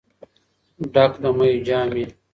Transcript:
ډك د ميو جام مي